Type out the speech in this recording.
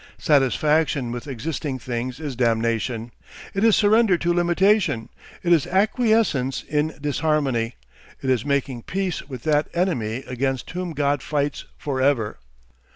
Satisfaction with existing things is damnation. It is surrender to limitation; it is acquiescence in "disharmony"; it is making peace with that enemy against whom God fights for ever.